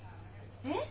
えっ？